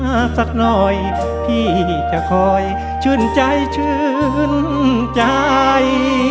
สักหน่อยพี่จะคอยชื่นใจชื่นใจ